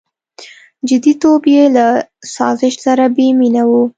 • جديتوب یې له سازش سره بېمینه و.